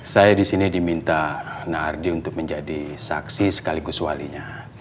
saya di sini diminta nardi untuk menjadi saksi sekaligus walinya